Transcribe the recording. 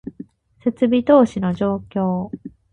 設備投資の状況